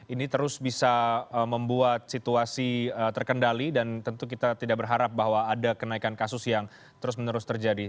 ini terus bisa membuat situasi terkendali dan tentu kita tidak berharap bahwa ada kenaikan kasus yang terus menerus terjadi